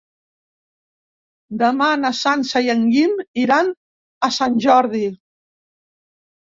Demà na Sança i en Guim iran a Sant Jordi.